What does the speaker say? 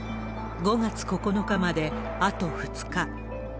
５月９日まであと２日。